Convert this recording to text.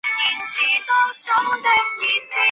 包括折叠的枪托。